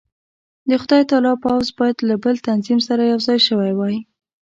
د خدای تعالی پوځ باید له بل تنظیم سره یو ځای شوی وای.